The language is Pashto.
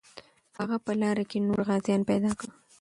هغه په لاره کې نور غازیان پیدا کړل.